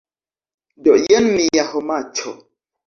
Do jen mia homaĉo.